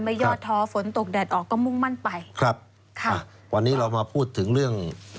ยอดท้อฝนตกแดดออกก็มุ่งมั่นไปครับค่ะวันนี้เรามาพูดถึงเรื่อง